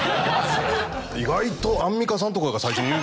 意外とアンミカさんとかが最初に言う。